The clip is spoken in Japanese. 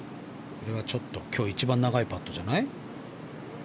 これは今日一番長いパットじゃない？